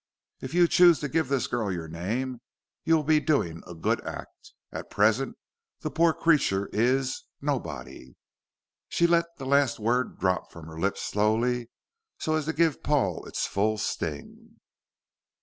If you choose to give this girl your name you will be doing a good act. At present the poor creature is nobody." She let the last word drop from her lips slowly, so as to give Paul its full sting.